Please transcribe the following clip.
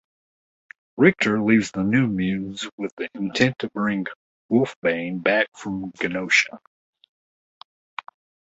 Rictor leaves the New Mutants with the intent to bring Wolfsbane back from Genosha.